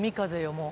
もう。